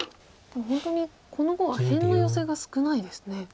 でも本当にこの碁は辺のヨセが少ないですね。